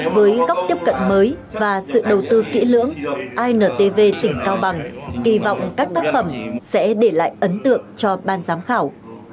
với góc tiếp cận mới và sự đầu tư kỹ lưỡng intv tỉnh cao bằng kỳ vọng các tác phẩm sẽ để lại ấn tượng cho ban giám khảo